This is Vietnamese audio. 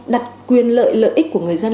đặt quyền lợi lợi ích của người dân